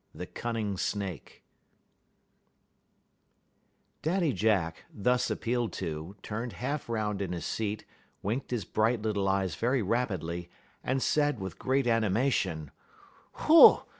XLIII THE CUNNING SNAKE Daddy Jack, thus appealed to, turned half round in his seat, winked his bright little eyes very rapidly, and said, with great animation: "Hoo!